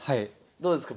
どうですか